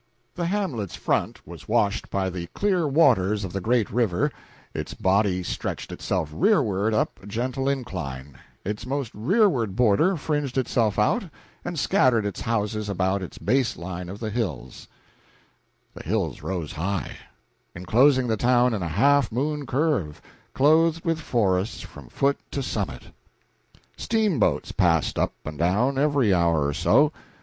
The hamlet's front was washed by the clear waters of the great river; its body stretched itself rearward up a gentle incline; its most rearward border fringed itself out and scattered its houses about the base line of the hills; the hills rose high, inclosing the town in a half moon curve, clothed with forests from foot to summit. Steamboats passed up and down every hour or so.